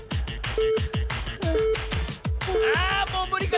あもうむりか？